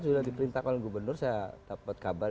sudah diperintahkan oleh gubernur saya dapat kabar